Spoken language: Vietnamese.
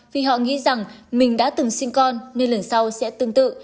vì họ nghĩ rằng mình đã từng sinh con nên lần sau sẽ tương tự